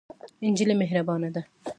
نجلۍ مهربانه ده.